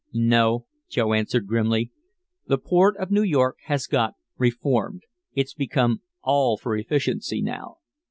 "No," Joe answered grimly. "The port of New York has got reformed, it's become all for efficiency now.